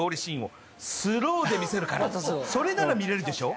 それなら見れるでしょ